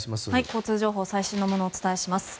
交通情報最新のものをお伝えします。